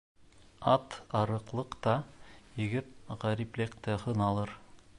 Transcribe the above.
Ат арыҡлыҡта, егет ғәриплектә һыналыр.